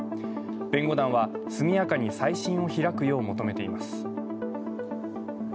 弁護団は速やかに再審を開くよう求めています。